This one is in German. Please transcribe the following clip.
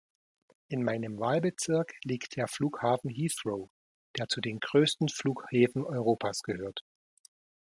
In meinem Wahlbezirk liegt der Flughafen Heathrow, der zu den größten Flughäfen Europas gehört.